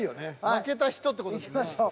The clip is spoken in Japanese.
負けた人って事ですね。